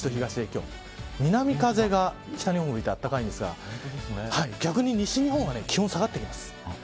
今日は南風が北日本は吹いて暖かいんですが逆に西日本は気温が下がってきます。